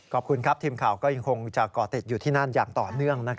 ขอบคุณครับทีมข่าวก็ยังคงจะก่อติดอยู่ที่นั่นอย่างต่อเนื่อง